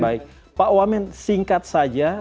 baik pak wamen singkat saja